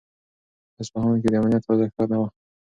په اصفهان کې د امنیت وضع ښه نه وه.